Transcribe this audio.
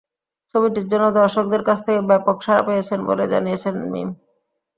ছবিটির জন্য দর্শকদের কাছ থেকে ব্যাপক সাড়া পেয়েছেন বলেই জানিয়েছেন মিম।